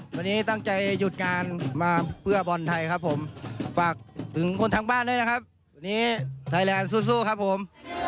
วันนี้ตั้งใจหยุดงานมาเพื่อบอลไทยครับผมฝากถึงคนทางบ้านด้วยนะครับวันนี้ไทยแลนด์สู้ครับผม